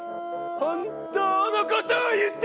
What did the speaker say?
「本当のことを言って！」。